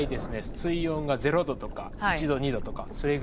水温が０度とか１度２度とかそれぐらいで。